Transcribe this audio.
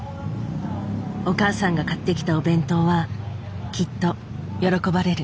お母さんが買ってきたお弁当はきっと喜ばれる。